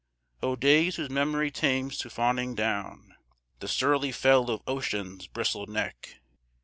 O days whose memory tames to fawning down The surly fell of Ocean's bristled neck!